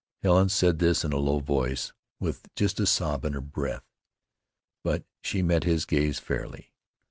Helen said this in a low voice with just a sob in her breath; but she met his gaze fairly.